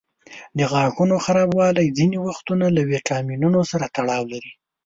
د غاښونو خرابوالی ځینې وختونه له ویټامینونو سره تړاو لري.